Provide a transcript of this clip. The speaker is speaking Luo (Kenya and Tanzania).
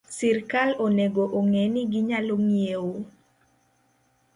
Sirkal onego ong'e ni ginyalo ng'iewo